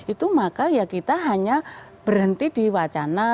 itu maka ya kita hanya berhenti di wacana